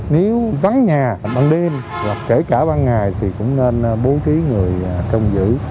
nếu vắng nhà bằng đêm kể cả bằng ngày thì cũng nên bố trí người trông giữ